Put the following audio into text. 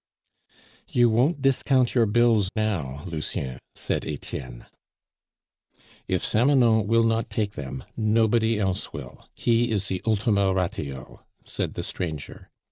"You won't discount your bills now, Lucien," said Etienne. "If Samanon will not take them, nobody else will; he is the ultima ratio," said the stranger.